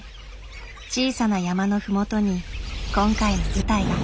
小さな山の麓に今回の舞台が。